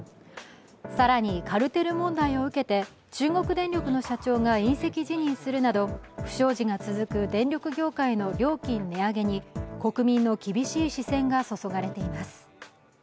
更にカルテル問題を受けて、中国電力の社長が引責辞任するなど不祥事が続く電力業界の料金値上げに国民の厳しい視線が注がれています。